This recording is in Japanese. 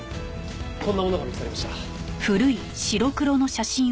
こんなものが見つかりました。